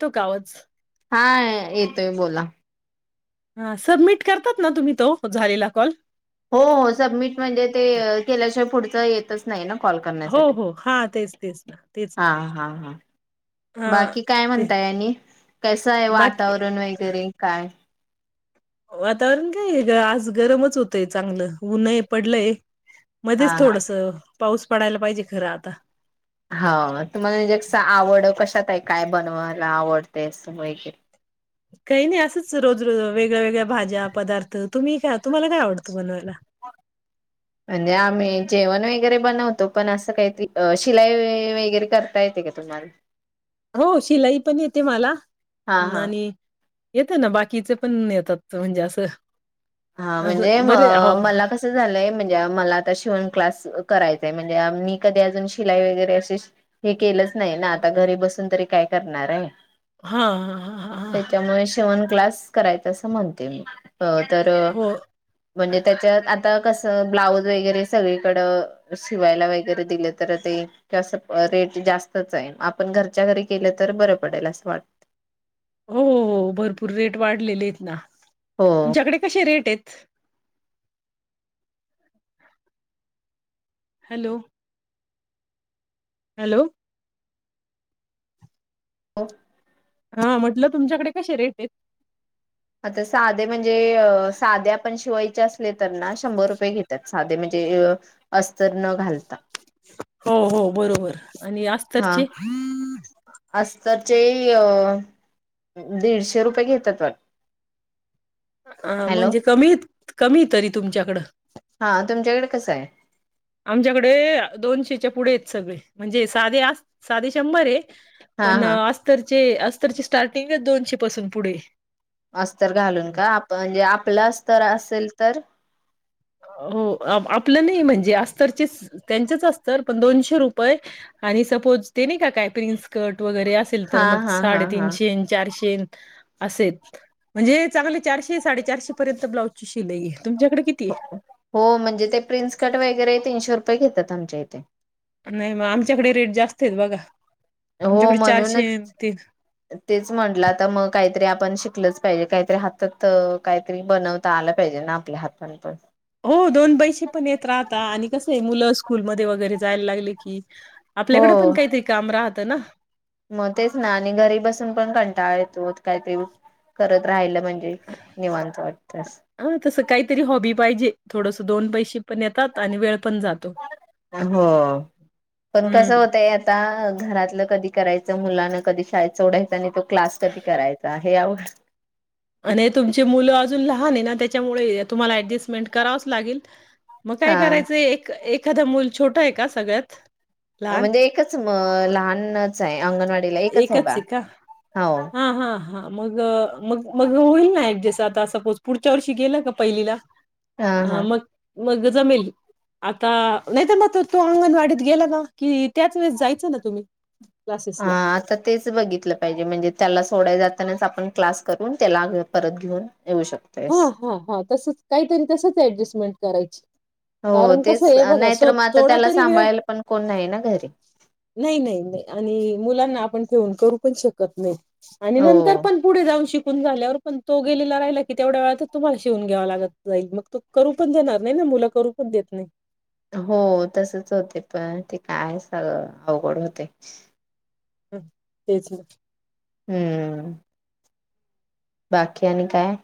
तो कावच हा येतोय बोला हा सबमिट करतात ना तुम्ही तो झालेला कॉल हो हो सबमिट म्हणजे ते केल्याशिवाय पुढच येतच नाही ना कॉल हो, करण्यासाठी हो. हां, तेच, तेच ना, तेच हा ना. हा हा हां. बाकी काय ते म्हणता आणि कसये बाकी वातावरण वगैरे काय? वातावरण काये आज गरमच होतय चांगलं ऊन्हय पडलंय हा मध्येच हा थोडस पाऊस पडायला पाहिजे खरं आता. हाव तुम्हाला जास्त आवड कशात ये? काय बनवायला आवडते असं वैगेरे काही नाही असंच रोज रोज वेगळ्या वेगळ्या भाज्या पदार्थ तुम्ही का तुम्हाला काय आवडतं बनवायला? म्हणजे आम्ही जेवण वगैरे बनवतो पण असं काहीतरी शिलाई वै वगैरे करता येते का तुम्हाला हो शिलाई पण येते मला हा हा नाआणि येतं ना बाकीचे पण येतात म्हणजे असं हा म्हणजे असं म बरे हो. मला कस झालंय म्हणजे मला आता शिवण क्लास करायचय म्हणजे मी कधी अजून शिलाई वगैरे असे हे केलं नाही ना आता घरी बसून तरी काय करणारे हा हा हा हा शिवण क्लास करायचा असं म्हणते मी तर तर हो म्हणजे त्याच्यात आता कसं ब्लाऊज वगैरे सगळीकड शिवायला वगैरे दिले तर ते जास्त रेट जास्तचये आपण घरच्या घरी केलं तर बरं पडेल असं वाट हो हो हो भरपूर रेट वाढलेलेत ना तुमच्याकडे कसे रेट तेच हॅलो हॅलो ओ हा म्हटलं तुमच्याकडे कसे रेटेत? आता साधे म्हणजे? साध्या पण शिवाय असले तर ना शंभर रुपये घेतात साधे म्हणजे अस्तर न घालता हो हो बरोबर आणि हा अस्तरचे अस्तरचे अ दीडशे रुपये घेतात वाटतं अ म्हणजे कमीत कमी तरी तुमच्याकडं हा तुमच्याकडे कसं आहे आमच्याकडे दोनशेच्या पुढे आहेत सगळे म्हणजे साधे आस साधे शंभर ये हा पण हा अस्तरचे अस अस्तरची स्टार्टिंगच दोनशे पासून पुढे अस्तर घालून आहे. का आप म्हणजे आपलं अस्तर असेल तर हो आप आपलं नाही म्हणजे अस्तरचे त्यांचेच अस्तर पण दोनशे रुपये आणि सपोज ते नाही का काय प्रिन्सकर्ट वगैरे असेल तर हा मग हा हा हा साडेतीनशेन चारशेन असेत म्हणजे चांगले चारशे साडेचारशे पर्यंत ब्लाउजची शिलाई तुमच्याकडे कितीय? हो म्हणजे ते प्रिन्सकट वगैरे तीनशे रुपये घेतात आमच्या इथे नाही मग आमच्याकडे रेट जास्त तेत बघा हो आमच्याकडे चारशे म्हणूनच ते तेच म्हटलं आता मग काही तरी आपण शिकलच पाहिजे काहीतरी हातात काहीतरी बनवता आलं पाहिजे ना आपल्या हातान पण हो दोन पैसे पण येत राहता आणि कस आहे मुलं स्कूलमध्ये वगैरे जायला लागली की हो आपल्याकडे पण काहीतरी काम राहतं ना म तेच ना आणि घरी बसून पण कं टाळ येतो कायतरी करत राहिल हा तस काहीतरी हॉबी पाहिजे. थोडंसं दोन पैसे पण येतात आणि वेळ पण जातो हो पण कस हम्म होतय आता घरातलं कधी करायचं मुलांना कधी शाळेत सोडायंच आणि क्लास कधी करायचा हे आवर आणि तुमचे मुलं अजून लहान आहे ना त्याच्यामुळ तुमला ॲजस्टमेंट करावच लागेल. मग काय हा करायचंय एक एक एखाद मूल छोटं आहे का सगळ्यात? लहान म्हणजे एकच म लहानचं आहे अंगणवाडीला एकच आहे बाळ हो हां, हां, हां. मग अ, मग मग होईल ना जसं आता सपोज पुढच्या वर्षी गेलं का पहिलीला हा आ हा म मग जमेल आता नाहीतर म त तो अंगणवाडीत गेला ना कि त्याच वेळेस जायचं ना तुम्ही हा क्लासेसला. आता तेच बघितलं पाहिजे म्हणजे त्याला सोडाय जात ना आपण क्लास करून त्याला परत घेऊन येऊ हा शकतोयस. हा हा तसच काहीतरी तसच ऍडजस्टमेंट करायची हो कारण कस तेच आहे बघा सो नाहीतर मग आता थोडा त्याला तरी वेळ सांभाळायला पण कोण नाही ना घरी. नाही नाही नाही आणि मुलांना आपण कोणं करू पण शकत नाय. आणि नंतर हो. पण पुढे जाऊन शिक पण झाल्यावर पण तो गेलेला राहिला कि तेवढ्या वेळा तर तुम्हाला शिवून घ्यावा लागत जाईल मग तो करू पण देणार नाही ना मुला करू पण देत नाय. हो तसच होते पण ते काय सगळ अवघड होतय. हं तेच ना हूं बाकी आणि काय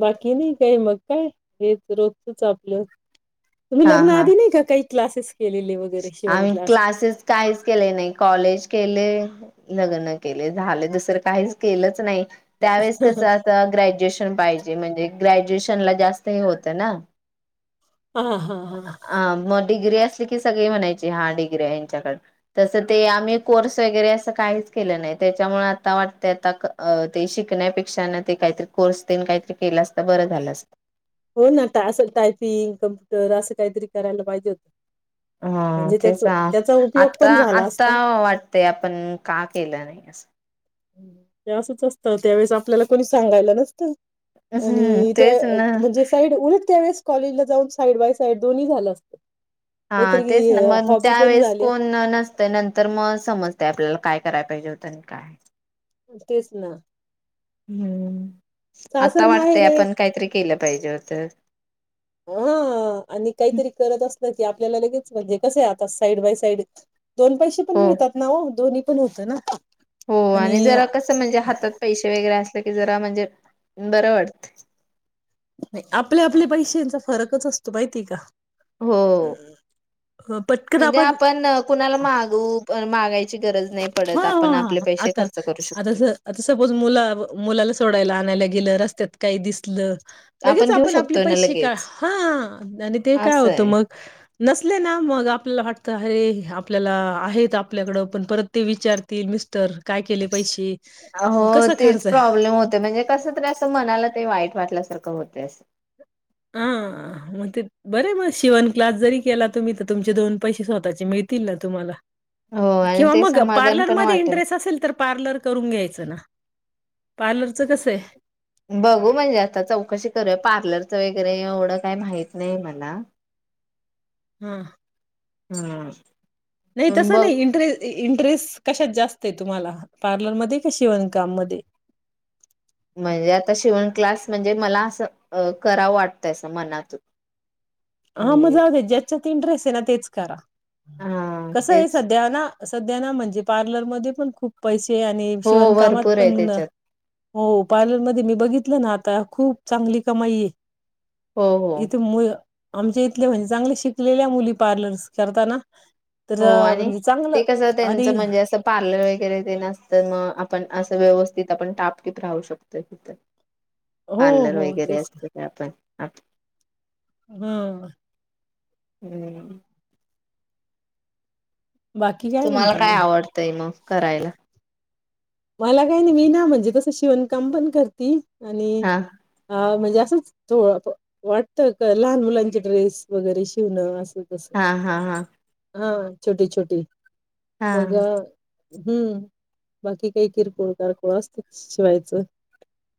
बाकी नाही काही मग काय हेच रोजचच आपलं तुम्ही हा लग्न हा. आधी नाही का काही क्लासेस केलेले वगैरे शिवण आम्ही क्लास क्लासेस काहीच केले नाही कॉलेज केले. लग्न केले झाले दुसरं काहीच केलंच नाही. त्यावेळेस कस हा अत ग्रॅज्युएशन पाहिजे म्हणजे ग्रॅज्युएशन ला जास्त हे होत ना हा हा हा अ मग डिग्री असली सगळी म्हणायची हा डिग्री ह्यांच्या कड तस ते आम्ही कोर्स वगैरे अस काहीच केलं नाही त्याच्यामुळे आता वाटत आता ते शिकण्यापेक्षा न काहीतरी कोर्स तेनं काहीतरी केलं अस हो ना अस टायपिंग कम्प्युटर अस काहीतरी करायला पाहिजे होतं. ह म्हणजे तेच त्याच त्याचा उपयोग आता पण झाला आता असता वाटतेय आपण का केलं नाही असं ते असंच असतं त्यावेेळेस आपल्याला कोणी सांगायला नसतं. हम्म आणि त्या तेच ना म्हणजे साईड उलट त्यावेेळेस कॉलेज ला जाऊन साईड बाय साईड दोन्ही झालं असत. हा तेच ना मग त्यावेेळेस झाली असती. कोण नसतं नंतर म समजते आपल्याला काय कराय पाहिजे होत काय तेच ना हूं आता सासर माहेर वाटतय आपण काहीतरी केलं पाहिजे होत. हो आणि काहीतरी करत अस की आपल्याला लगेच म्हणजे कसय आता साईड बाय साईड दोन पैसे पण हो मिळतात ना ओ दोन्ही पण होतं ना हो आणि जरा कसं म्हणजे हातात पैसे वगैरे अस ते की जरा म्हणजे बरं वाटतं. आपल्या आपल्या पैशांचा फरकच असतो माहितीये का? हो, अ, पटकन म्हणजे आपण कुणाला मागू मागाय ह आता खर्च करू आता शकतोय आता सपोज मुला-मुलाला सोडायला आणायला गेलं रस्त त्यात काही दिसलं. लगेच घेऊ आपण आपले शकतोय ना पैसे का लगेच हा आणि ते काय असं होतं आहे मग नसले ना मग आ आपल्याला वाटत अरे आपल्याला आहेत आपल्याकडं. पण परत ते विचारतील मिस्टर. काय केले पैसे? अहो मग कसा तेच खर्च आहे? प्रॉब्लेम होतोय म्हणजे कस तरी अस मनाला ते वाईट वाटल्यासारखं होत ते असं हा मग ते बरे मग शिवन क्लास जरी केला तुम्ही तर तुमचे दोन पैसे स्वतःचे मिळतील ना तुम्हाला हो आणि किंवा ते मग समाधान पण पार्लरमध्ये वाटेल इंटरेस असेल तर पार्लर करून घ्यायचं ना पार्लरचं कसं आहे. बघू म्हणजे आता चौकशी करूय पार्लरचं वगैरे एवढं काही माहत नाही मला ह हम नाही तस नाही इंटरे इंट ट्रेस कशात जास्त आहे तुम्हाला पार्लरमध्ये कि शिवणकाम मध्ये म्हणजे आता शिवण क्लास म्हणजे मला असं अ करावं वाटतय मनातून आ म म्हणजे जाउदे ज्याचं इंट्रेसेना तेच करा. हा कसंय तेच सध्या ना सध्या ना म्हणजे पार्लरमध्येध्ये पण खूप पैसे ते आणि हो शिवणकामात भरपूर आहे पण त्याच्यात हो पार्लरमध्येध्ये मी बघितलं ना आता खूप चांगली कमाईये हो हो इथे म आमच्या इथले म्हणजे चांगले शिकलेल्या मुली पार्लरस करताना तर हो आणि म्हणजे चांगलं ते कसं आणि त्यांचं म्हणजे असं पार्लर वगैरे तेन असतं मग पण असं व्यवस्थित आपण टापटीप राहू शकतोय तिथं हो पार्लर हो वगैरे तेच असत ते आपण [inaudible] हम्म [unintelligible] बाकी तुम्हाला म्हणता मग काय आवडतंय मग करायला? मला काय नाही मी ना म्हणजे तसं शिवणकाम पण करती. आणि हा हा म्हणजे असंच [unintelligible] वाटतं का लहान मुलांचे ड्रेस वगैरे शिवणं अस. हा हा हा. हा छोटी - छोटी. हा मग हम्म बाकी काही किरकोळ कारकोळ असतचं शिवायचं.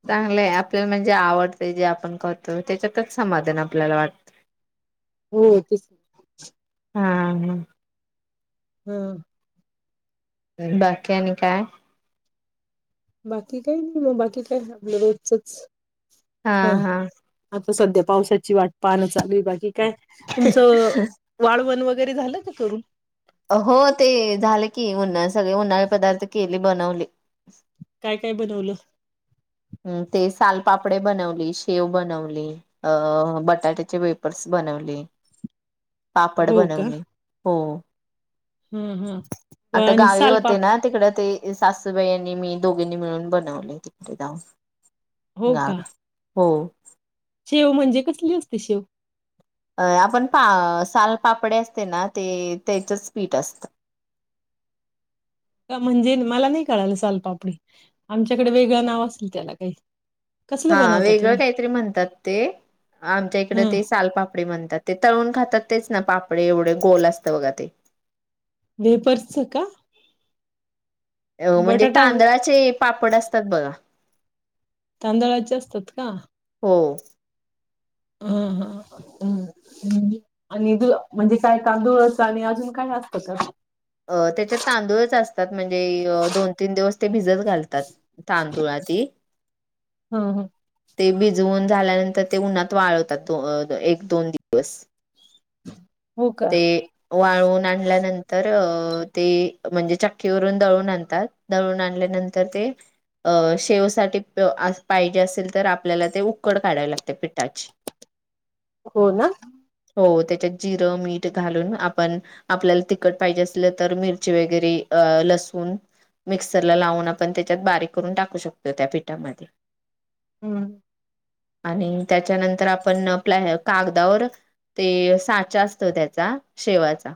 चांगलंय आपल्याला म्हणजे आवडतंय जे आपण करतो त्याच्यातच समाधान आपल्याला वाटतं. हो तेच [unintelligible] हा हा हम्म बाकी आणि काय? बाकी काही नाही मग बाकी काय आपलं रोजचच. हा हा. सध्या पावसाची वाट पाण चालूय बाकी काय तुमचं वाळवन वगै ते झालं का करून? हो ते झाले की उन्ह सगळे उन्हाळ पदार्थ केले. बनवली. काय काय बनवलं. ते सालपापडे बनवली, शेव बनवली, अ बटाट्याचे वेपर्स बनवले. पापड हो का? बनवले हो. हं, हं. व आता आणि गावी होते ना सालपापड तिकड ते सासूबाई आणि मी दोघींनी मिळून बनवलेय तिकडे जाऊन. हो का? गावी. हो. शेव म्हणजे कसली असते शेव? अ आपण पा सालपापडे असते ना ते त्याचच पीठ असतं. म्हणजे मला नाही कळाल सालपापडी, आमच्याकडे वेगळ नाव असल त्याला काही. कसलं हा बनवता वेगळं तुम्ही काहीतरी म्हणतात, ते आमच्या इकडे हा ते सालपापडी म्हणतात ते, तळून खातात. तेच ना पापडे, एवढे गोल असत बघा ते. वेफर्सच का? अ म्हणजे बटाटा तांदळाचे पापड असतात बघा. तांदळाचे असतात का? हो. ह ह ह म्हणजे आणि म्हणजे काय तांदूळच आणि अजून काय असतं का? अ त्याच्यात तांदूळच असतात म्हणजे दोन तीन दिवस ते भिजत घालतात, तांदूळ आधी. ह ते भिज जवून झाल्यानंतर ते उन्हात वाळवतात तो अ एक- दोन दिवस. हो का ते वाळवून आणल्यानंतर अ ते म्हणजे चक्कीवरून दळून आणतात दळून आणल्यानंतर ते अ शेवसाठी पाहिजे असेल तर आपल्याला ते उकड काढावी लागते पिठाची. हो ना हो त्याच्या जी र मीठ घालून आप आपल्याला तिखट पाहिजे असलं तर मिरची वगैरे अअ लसून मिक्सरला लावून आपण त्याच्यात बारीक करून टाकू शकतो त्या पीठामध्ये हम्म आणि त्याच्यानंतर आपण प कागदावर ते साच्या अस तो त्याचा शेवाचा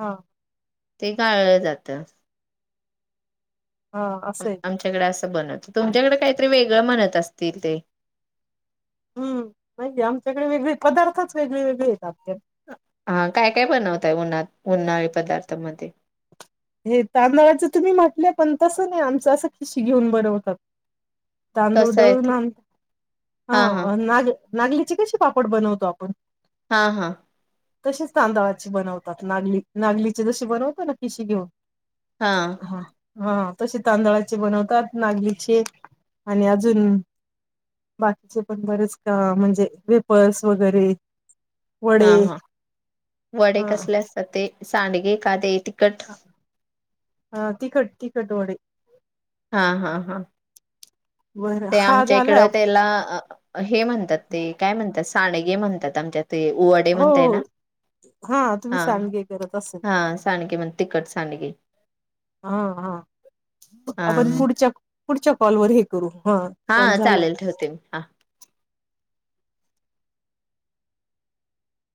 हा ते गाळलं जात. हा असं आहे आमच्याकड अस बनवतात तुमच्याकड काहीतरी वेगळं म्हणत असतील ते हूं नाहीेये आमच्याकडे वेगळे पदार्थच वेगळे वेगळे येतात. हा काय काय बनवताय उन्हात उन्हाळी पदार्थांमध्ये हे तांदळाच तुम्ही म्हटलं पण तसं नाही आमच असं खिशी घेऊन बनवतात. तांदूळ कसं आहे दळून ते आणता हा नाग नागलीची कसे पापड बनवतो आपण हा हा तसेच तांदाळाची बनवतात नागली नागलीची जशी बनवतात ना किशी घेऊन हा हा तसे तांदळाचे बनवतात नागलीचे आणि अजून बाकीचे पण बरेच का म्हणजे वेफर्स वगैरे हा वडे हा वडे हा कसले असतात ते सांडगे का ते तिखट हा तिखट तिखट वडे हा हा हा बरं ते हा आमच्या इकड झालाय हो त्येला अ हे म्हणतात ते काय म्हणतात सांडगे म्हणतात आमच्यात हो हो हो हा तुम्ही सांडगे करत असेल हा सांडगे म्हण तिखट सांडगे हा हा हा आपण पुढच्या पुढच्या कॉलवर हे करू हा कॉल झालाय चालेल ठेवते मी हा